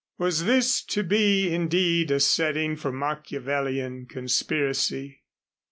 Was this to be indeed a setting for Machiavellian conspiracy?